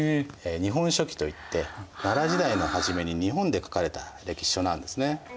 「日本書紀」といって奈良時代の初めに日本で書かれた歴史書なんですね。